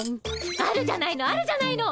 あるじゃないのあるじゃないの。